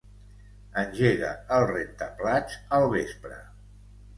Engega el rentaplats al vespre.